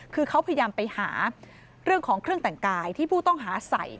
คือเขาพยายามไปหาเรื่องของเครื่องแต่งกายที่ผู้ต้องหาใส่